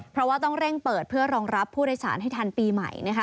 เพราะว่าต้องเร่งเปิดเพื่อรองรับผู้โดยสารให้ทันปีใหม่นะคะ